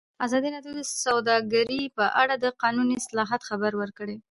ازادي راډیو د سوداګري په اړه د قانوني اصلاحاتو خبر ورکړی.